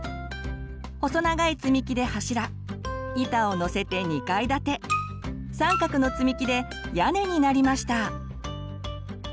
細長いつみきで柱板をのせて２階建て三角のつみきで屋根になりました。